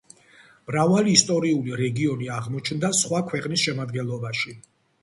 მრავალი ისტორიული რეგიონი აღმოჩნდა სხვა ქვეყნების შემადგენლობაში.